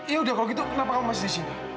yaudah kalau gitu kenapa kamu masih di sini